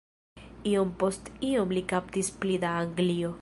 Iom post iom li kaptis pli da Anglio.